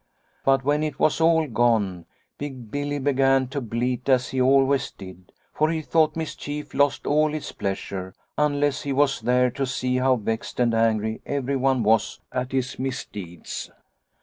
But when it was all gone, Big Billy began to bleat, as he always did, for he thought mischief Snow White 67 lost all its pleasure unless he was there to see how vexed and angry everyone was at his mis deeds.